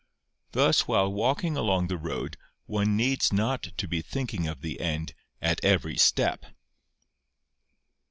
Thus while walking along the road one needs not to be thinking of the end at every step.